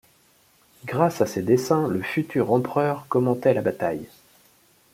Grâce à ces dessins le futur empereur commentait la bataille.